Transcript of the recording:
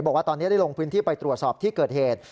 บอกว่าตอนนี้ได้ลงพื้นที่ไปตรวจสอบที่เกิดเหตุ